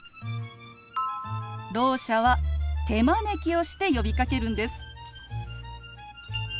ろう者は手招きをして呼びかけるんです。